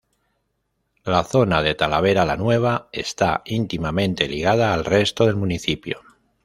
La zona de Talavera la Nueva está íntimamente ligada al resto del municipio.